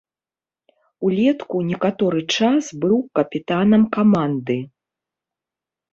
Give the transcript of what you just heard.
Улетку некаторы час быў капітанам каманды.